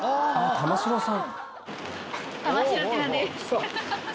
玉城さん！